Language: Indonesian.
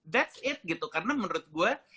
that's it gitu karena menurut gue